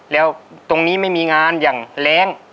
แล้วตรงนี้ไม่มีงานอย่างแรง